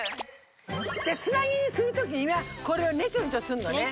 でつなぎにするときにこれをねちょねちょすんのね。